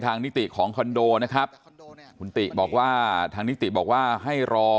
นิติของคอนโดนะครับคุณติบอกว่าทางนิติบอกว่าให้รอ